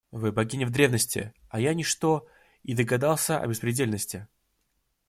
Вы богиня в древности, а я ничто и догадался о беспредельности.